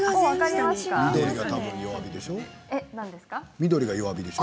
緑が弱火でしょ？